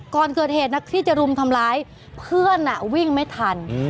ก่อนเกิดเหตุนักที่จะรุมทำร้ายเพื่อนวิ่งไม่ทัน